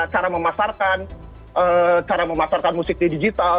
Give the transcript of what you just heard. cara memasarkan cara memasarkan musik di digital